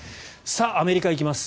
アメリカ、行きます。